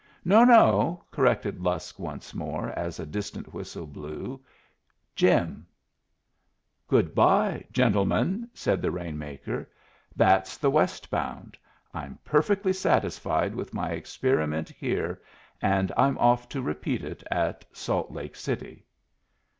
"No, no," corrected Lusk once more, as a distant whistle blew "Jim." "Good bye, gentlemen," said the rain maker. "That's the west bound. I'm perfectly satisfied with my experiment here, and I'm off to repeat it at Salt Lake City."